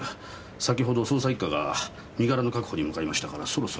先ほど捜査一課が身柄の確保に向かいましたからそろそろ。